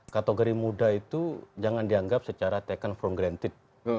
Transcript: kategori muda itu jangan dianggap secara taken from granted